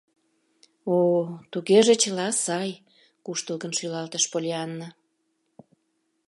— О, тугеже чыла сай, — куштылгын шӱлалтыш Поллианна.